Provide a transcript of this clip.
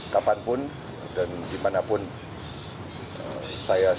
kapanpun dan dimanapun saya sudah